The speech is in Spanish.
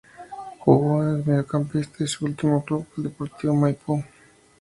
Jugó de mediocampista y su último club fue Deportivo Maipú.